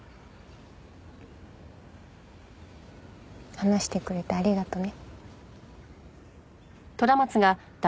話してくれてありがとね。